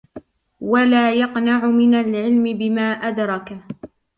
وَلَا يَقْنَعْ مِنْ الْعِلْمِ بِمَا أَدْرَكَ